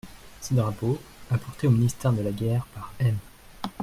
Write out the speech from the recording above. Ces drapeaux, apportés au ministère de la guerre par M.